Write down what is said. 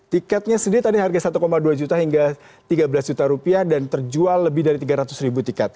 tiketnya sendiri tadi harga satu dua juta hingga tiga belas juta rupiah dan terjual lebih dari tiga ratus ribu tiket